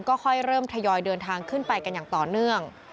ก็ค่อยเริ่มทยอยเดินทางขึ้นไปกันอย่างต่อเนื่อง